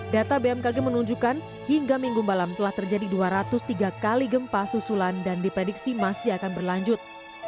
data bmkg menunjukkan hingga minggu malam telah terjadi dua ratus tiga kali gempa susulan dan diprediksi masih akan berlanjut